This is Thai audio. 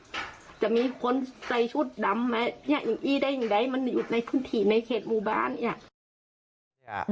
มันอยู่ในพื้นที่ในเคล็ดมูบาน